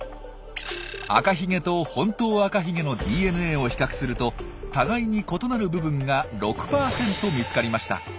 アカヒゲとホントウアカヒゲのＤＮＡを比較すると互いに異なる部分が６％見つかりました。